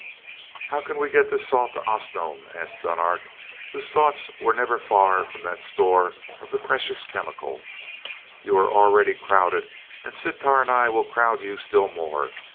"How can we get this salt to Osnome?" asked Dunark whose thoughts were never far from that store of the precious chemical. "You are already crowded, and Sitar and I will crowd you still more.